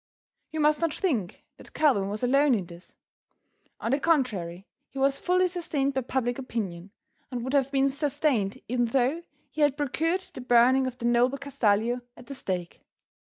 You must not think that Calvin was alone in this; on the contrary he was fully sustained by public opinion, and would have been sustained even though he had procured the burning of the noble Castalio at the stake.